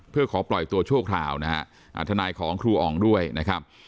เพื่อขอปล่อยตัวชั่วคราวนะฮะทนายของครูอ๋องด้วยนะครับ